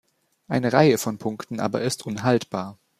Eine Reihe von Punkten aber ist unhaltbar.